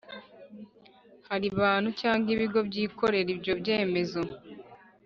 Hari bantu cyangwa ibigo byikorera ibyo byemezo